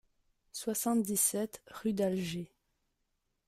soixante-dix-sept rue d'Alger